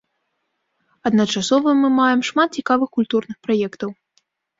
Адначасова мы маем шмат цікавых культурных праектаў.